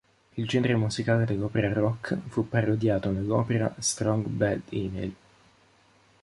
Il genere musicale dell'opera rock fu parodiato nell'opera "Strong Bad Email".